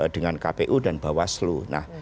dengan kpu dan bawaslu nah